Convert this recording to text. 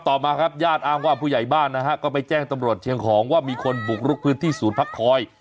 ต่อมาครับญาติอ้างว่าผู้ใหญ่บ้านนะฮะก็ไปแจ้งตำรวจเชียงของว่ามีคนบุกลุกพื้นที่ศูนย์พักคอย